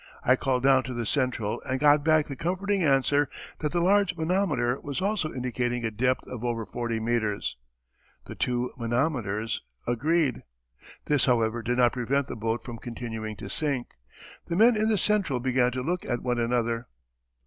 I called down to the central and got back the comforting answer that the large manometer was also indicating a depth of over forty meters! The two manometers agreed. This, however, did not prevent the boat from continuing to sink. The men in the central began to look at one another....